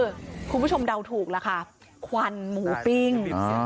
มนุษย์นี้คุณผู้ชมเดาถูกแล้วค่ะควันหมูปริ้ง